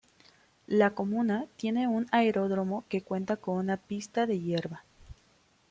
La comuna tiene un aeródromo que cuenta con una pista de hierba.